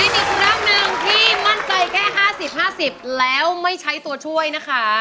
เป็นที่สุดท้ายหนึ่งที่มั่นใจแค่๕๐๕๐แล้วไม่ใช้ตัวช่วยนะคะ